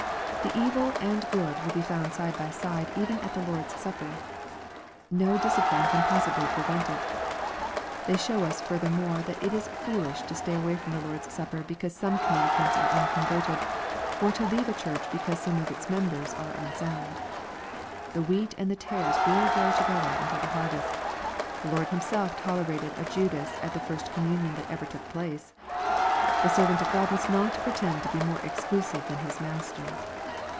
The evil and good will be found side by side even at the Lord's Supper. No discipline can possibly prevent it. — They show us furthermore that it is foolish to stay away from the Lord's Supper because some communicants are un converted, or to leave a church because some of its mem bers are unsound. The wheat and the tares will grow together until the harvest. Our Lord himself tolerated a Judas at the first communion that ever took place. The servant of God must not pretend to be more exclus ive than his Master.